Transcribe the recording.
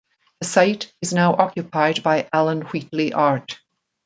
The site is now occupied by Alan Wheatley Art.